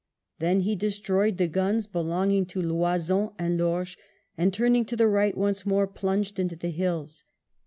Then he destroyed the guns belonging to Loison and Lorge, and turning to the right once more plunged into the hills.